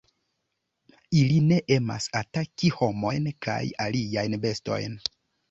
Ili ne emas ataki homojn kaj aliajn bestojn.